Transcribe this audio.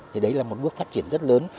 thì đấy là một bước phát triển rất lớn